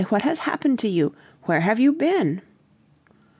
what has happened to you? Where have you been?"